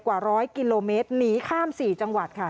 กว่า๑๐๐กิโลเมตรหนีข้าม๔จังหวัดค่ะ